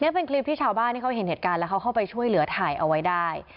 นี่เป็นคลิปที่ชาวบ้านที่เขาเห็นเหตุการณ์แล้วเขาเข้าไปช่วยเหลือถ่ายเอาไว้ได้